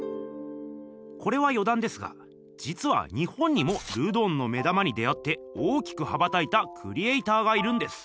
これはよだんですがじつは日本にもルドンの目玉に出会って大きく羽ばたいたクリエーターがいるんです。